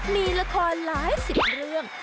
มีละครหลายสิบเรื่อง